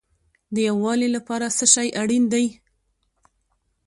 د یووالي لپاره څه شی اړین دی؟